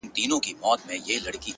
زهره چاودي به لستوڼي کي ماران سي!.